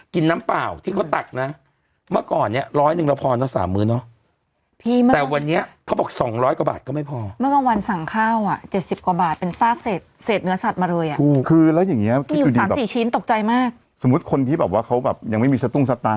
แบบค่ะคุณนึกมันเป็นแม่แต่งโมนะ